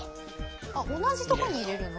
同じとこに入れるの？